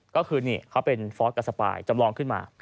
ก็คือนี่เขาเป็นฟอสกับสปายจำลองขึ้นมา